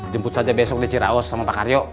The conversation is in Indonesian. jemput saja besok di cirao sama pak karyo